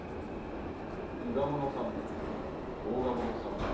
伊賀者３名甲賀者３名。